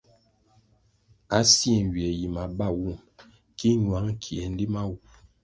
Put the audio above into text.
A sie nywie yi mabawum ki ñwang kie nlima wu.